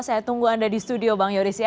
saya tunggu anda di studio bang yoris ya